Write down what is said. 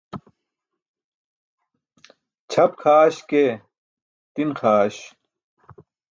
Ćʰap kʰaaś ke, tin xaaś.